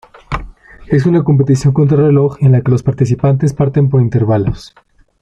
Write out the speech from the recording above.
Es una competición contrarreloj, en la que los participantes parten por intervalos.